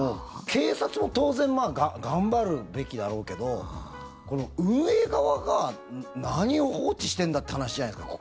警察も当然頑張るべきだろうけどこの運営側が何を放置してるんだって話じゃないですか。